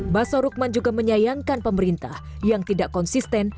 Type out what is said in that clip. baso rukman juga menyayangkan pemerintah yang tidak konsisten